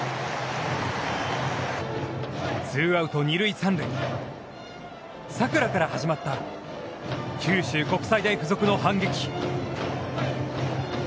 ツーアウト二塁三塁佐倉から始まった九州国際大付属の反撃。